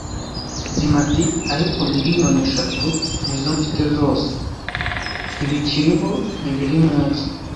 Dima ati: "Ariko miliyoni eshatu nizo mfite zose". "Ntibikiriho, ntibiri munsi."